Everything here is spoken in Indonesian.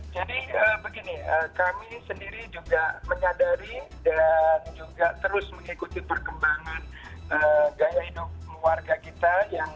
jadi begini kami sendiri juga menyadari dan juga terus mengikuti perkembangan gaya hidup warga kita